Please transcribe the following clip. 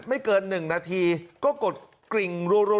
ไม่เกินหนึ่งนาทีก็กดกริ่ง